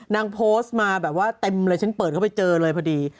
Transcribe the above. นางโพสต์มาแบบว่าเต็มเลยฉันเปิดเข้าไปเจอเลยพอดี